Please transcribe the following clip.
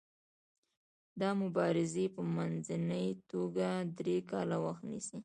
دا مبارزې په منځنۍ توګه درې کاله وخت نیسي.